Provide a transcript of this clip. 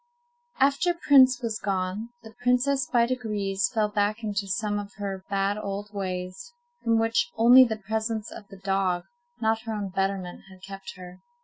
XI. After Prince was gone, the princess, by degrees, fell back into some of her bad old ways, from which only the presence of the dog, not her own betterment, had kept her.